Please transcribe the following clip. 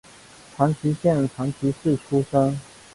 长崎县长崎市出身。